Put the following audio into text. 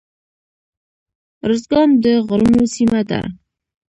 ارزګان د غرونو سیمه ده